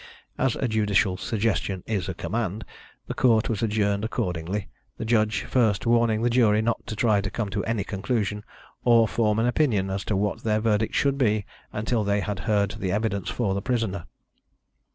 As a judicial suggestion is a command, the court was adjourned accordingly, the judge first warning the jury not to try to come to any conclusion, or form an opinion as to what their verdict should be, until they had heard the evidence for the prisoner.